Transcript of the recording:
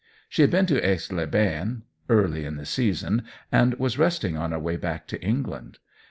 She had been to Aix les Bains early in the season, and was resting on her way back to England.